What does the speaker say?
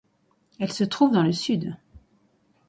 Elle se trouve dans le sud.